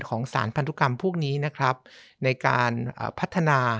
ของสารพันธุกรรมพวกนี้นะครับในการพัฒนา